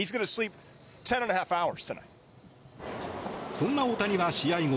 そんな大谷は試合後